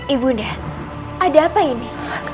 ibu udah ada apa ini